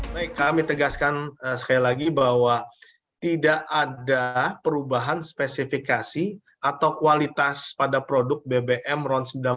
baik kami tegaskan sekali lagi bahwa tidak ada perubahan spesifikasi atau kualitas pada produk bbm ron sembilan puluh